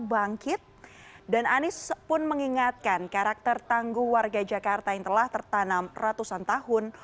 bangkit dan anies pun mengingatkan karakter tangguh warga jakarta yang telah tertanam ratusan tahun